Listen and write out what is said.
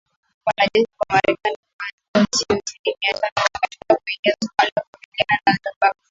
Wanajeshi wa Marekani wasiozidi mia tano wameidhinishwa kuingia Somalia kukabiliana na Al Shabaab